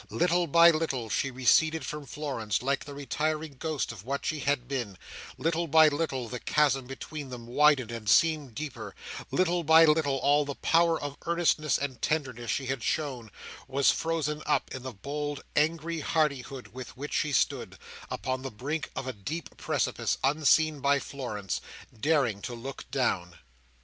Little by little, she receded from Florence, like the retiring ghost of what she had been; little by little, the chasm between them widened and seemed deeper; little by little, all the power of earnestness and tenderness she had shown, was frozen up in the bold, angry hardihood with which she stood, upon the brink of a deep precipice unseen by Florence, daring to look down.